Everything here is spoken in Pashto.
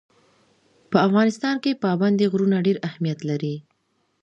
په افغانستان کې پابندی غرونه ډېر اهمیت لري.